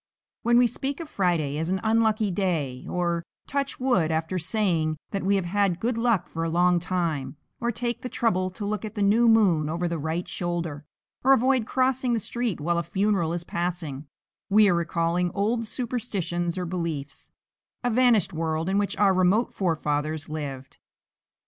When we speak of Friday as an unlucky day, or touch wood after saying that we have had good luck for a long time, or take the trouble to look at the new moon over the right shoulder, or avoid crossing the street while a funeral is passing, we are recalling old superstitions or beliefs, a vanished world in which our remote forefathers lived.